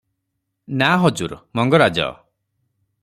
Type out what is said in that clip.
"ନା ହଜୁର! ମଙ୍ଗରାଜ ।"